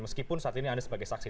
meskipun saat ini anda sebagai saksi